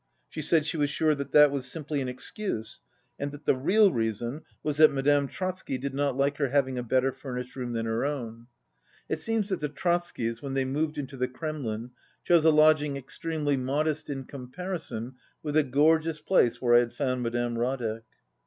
She said she was sure that was simply an excuse and that the real reason was that Madame Trotsky did not like her having a better furnished room than her own. It seems that the Trotskys, when they moved into the Kremlin, chose a lodging ex tremely modest in comparison with the gorgeous place where I had found Madame Radek.